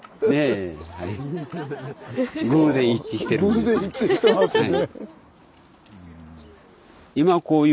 偶然一致してますね。